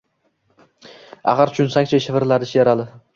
Axir, tushunsang-chi, shivirladi Sherali